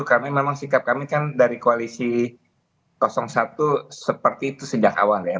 karena memang sikap kami kan dari koalisi satu seperti itu sejak awal ya